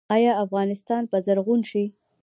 آیا افغانستان به زرغون شي؟